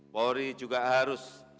polri juga harus mencari